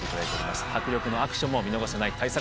迫力のアクションも見逃せない大作です。